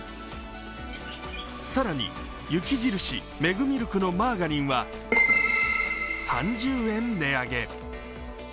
更に雪印メグミルクのマーガリンは３０円値上げ。